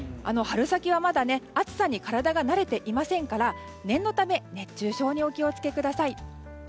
春先は、まだ暑さに体が慣れていませんから念のため熱中症にお気を付けください。